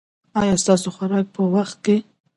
ایا ستاسو خوراک په وخت دی؟